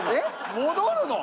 戻るの？